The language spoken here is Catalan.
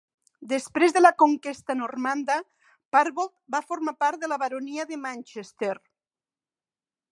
Després de la conquesta normanda, Parbold va formar part de la Baronia de Manchester.